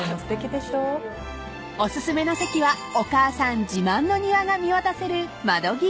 ［お薦めの席はお母さん自慢の庭が見渡せる窓際］